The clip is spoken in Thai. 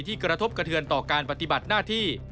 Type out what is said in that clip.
กระทบกระเทือนต่อการปฏิบัติหน้าที่